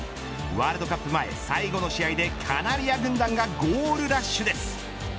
ワールドカップ前最後の試合でカナリア軍団がゴールラッシュです。